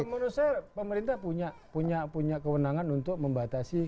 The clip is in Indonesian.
menurut saya pemerintah punya kewenangan untuk membatasi